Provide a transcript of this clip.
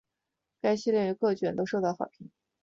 该系列各卷都受到了好评。